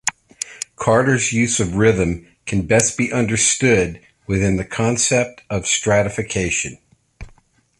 Carter's use of rhythm can best be understood within the concept of stratification.